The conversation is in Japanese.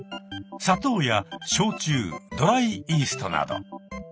砂糖や焼酎ドライイーストなど。